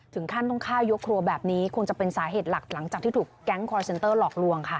ถึงขั้นต้องฆ่ายกครัวแบบนี้คงจะเป็นสาเหตุหลักหลังจากที่ถูกแก๊งคอร์เซ็นเตอร์หลอกลวงค่ะ